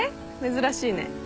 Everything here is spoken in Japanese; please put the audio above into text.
珍しいね。